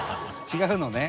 違うのね。